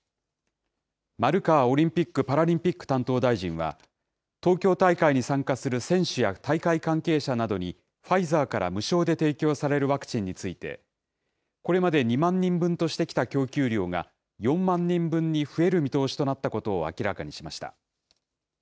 丸川オリンピック・パラリンピック担当大臣は、東京大会に参加する選手や大会関係者などに、ファイザーから無償で提供されるワクチンについて、これまで２万人分としてきた供給量が、４万人分に増える見通しとなったことを明らかにしました。